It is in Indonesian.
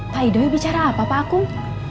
pak idoi bicara apa pak agung